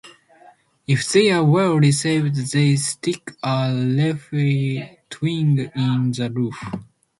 If they are well received they stick a leafy twig in the roof.